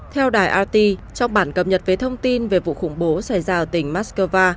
theo đài ati trong bản cập nhật về thông tin về vụ khủng bố xảy ra ở tỉnh moscow